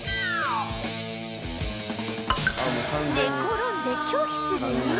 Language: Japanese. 寝転んで拒否する犬も